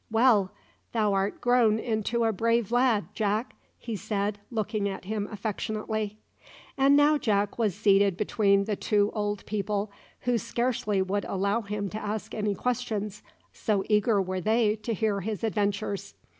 "Well, thou art grown into a brave lad, Jack," he said, looking at him affectionately. And now Jack was seated between the two old people, who scarcely would allow him to ask any questions, so eager were they to hear his adventures.